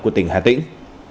của tỉnh hà tĩnh